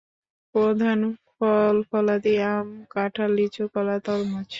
প্রধান ফল-ফলাদি আম, কাঁঠাল, লিচু, কলা, তরমুজ।